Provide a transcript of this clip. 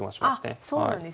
あそうなんですね。